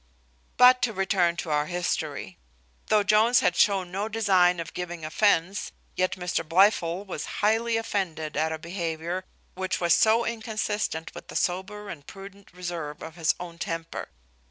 But to return to our history. Though Jones had shown no design of giving offence, yet Mr Blifil was highly offended at a behaviour which was so inconsistent with the sober and prudent reserve of his own temper.